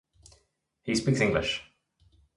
He speaks English.